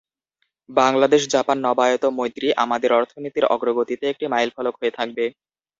Bangladesh Japan নবায়িত মৈত্রী আমাদের অর্থনীতির অগ্রগতিতে একটি মাইলফলক হয়ে থাকবে।